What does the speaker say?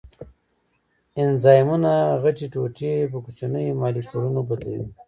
انزایمونه غټې ټوټې په کوچنیو مالیکولونو بدلوي.